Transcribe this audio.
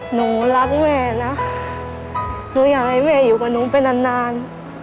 หนูรักแม่นะหนูอยากให้แม่อยู่กับหนูไปนานนาน